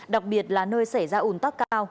đặc biệt là nơi xảy ra ủn tắc cao